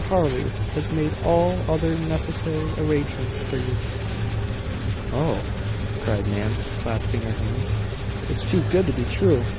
Harley has made all other necessary arrangements for you." "Oh!" cried Nan, clasping her hands. "It's too good to be true!